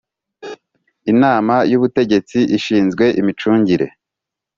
Inama y Ubutegesti ishinzwe imicungire